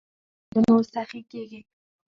پر سیندونو سخي کیږې